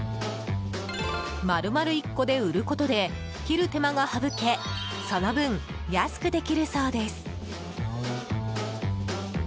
丸々１個で売ることで切る手間が省けその分、安くできるそうです。